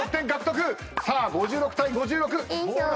５６対５６。